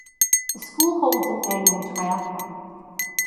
The school holds an annual triathlon.